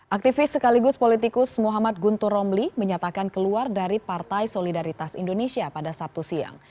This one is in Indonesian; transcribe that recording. aktivis sekaligus politikus muhammad guntur romli menyatakan keluar dari partai solidaritas indonesia pada sabtu siang